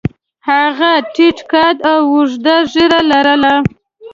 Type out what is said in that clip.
هغه ټیټ قد او اوږده ږیره لرله.